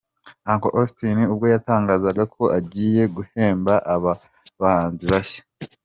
Uncle Austin ubwo yatangazaga ko agiye guhemba aba bahanzi bashya.